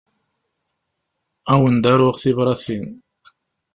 Ad wen-d-aruɣ tibratin.